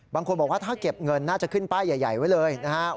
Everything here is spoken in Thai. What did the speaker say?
บางคนบอกว่าถ้าเก็บเงินน่าจะขึ้นป้ายใหญ่ไว้เลยนะครับ